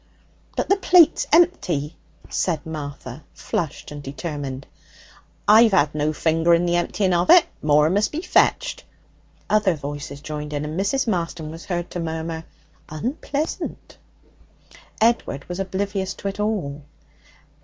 'But the plate's empty,' said Martha, flushed and determined. 'I've had no finger in the emptying of it. More must be fetched.' Other voices joined in, and Mrs. Marston was heard to murmur, 'Unpleasant.' Edward was oblivious to it all.